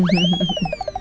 andini karisma putri